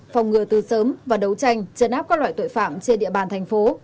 phòng ngừa từ sớm và đấu tranh chấn áp các loại tội phạm trên địa bàn thành phố